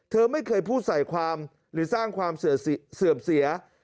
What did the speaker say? เธอไม่เคยพูดใส่ความหรือสร้างความเสื่อมเสีย